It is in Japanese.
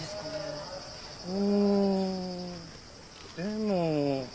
うーんでも。